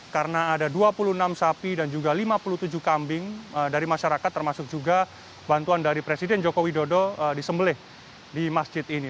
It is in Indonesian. karena ada dua puluh enam sapi dan juga lima puluh tujuh kambing dari masyarakat termasuk juga bantuan dari presiden joko widodo di sembele di masjid ini